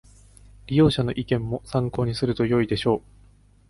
利用者の意見も参考にするとよいでしょう